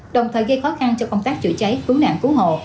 đồng thời gây khó khăn cho công tác chữa cháy khu nạn khu hộ